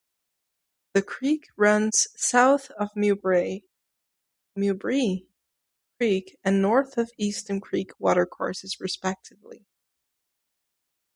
The creek runs south of Millbrae Creek and north of Easton Creek watercourses respectively.